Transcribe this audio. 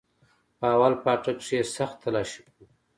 په اول پاټک کښې يې سخت تلاشي كړو.